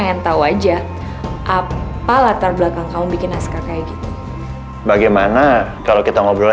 sampai jumpa di video selanjutnya